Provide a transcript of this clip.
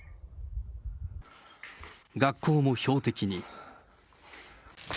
学校も標的に。